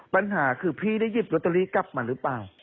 ปัญหาคือพี่ได้หยิบลอตเตอรี่กลับมาหรือเปล่า